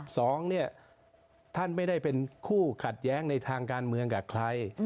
สองเนี่ยท่านไม่ได้เป็นคู่ขัดแย้งในทางการเมืองกับใคร